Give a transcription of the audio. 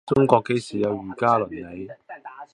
中國幾時有儒家倫理